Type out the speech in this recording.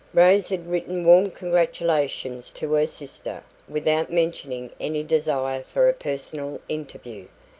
Rose had written warm congratulations to her sister, without mentioning any desire for a personal interview.